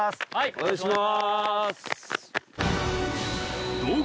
お願いします。